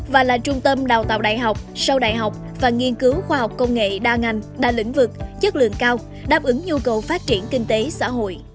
và là trung tâm đào tạo đại học sâu đại học và nghiên cứu khoa học công nghệ đa ngành đa lĩnh vực chất lượng cao đáp ứng nhu cầu phát triển kinh tế xã hội